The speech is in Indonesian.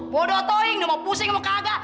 bodoh toing nggak mau pusing mau kagak